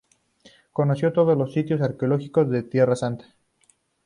Conoció todos los sitios arqueológicos de Tierra Santa.